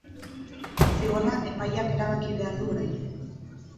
Zigorra epaileak erabaki behar du orain.